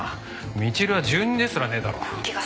みちるは住人ですらねえだろ。